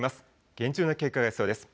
厳重な警戒が必要です。